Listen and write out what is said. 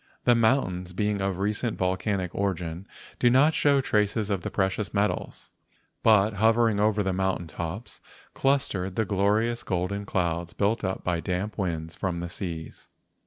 The mountains being of recent volcanic origin do not show traces of the precious metals; but hovering over the mountain tops clustered the glorious golden clouds built up by damp winds from the seas.